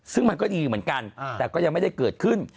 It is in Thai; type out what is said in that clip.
ซึ่งมันก็ดีเหมือนกันแต่ก็ยังไม่ได้เกิดขึ้น